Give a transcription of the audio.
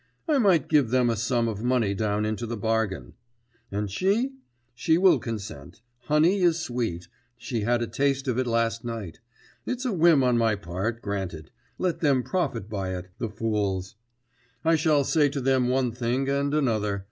I might give them a sum of money down into the bargain. And she? She will consent. Honey is sweet she had a taste of it last night. It's a whim on my part, granted; let them profit by it, ... the fools. I shall say to them one thing and another